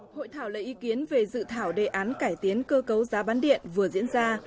hội thảo lấy ý kiến về dự thảo đề án cải tiến cơ cấu giá bán điện vừa diễn ra